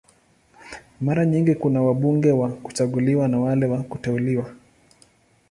Mara nyingi kuna wabunge wa kuchaguliwa na wale wa kuteuliwa.